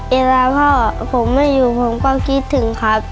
เวลาพ่อผมไม่อยู่ผมก็คิดถึงครับ